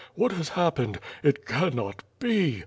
"What has happened? It cannot be!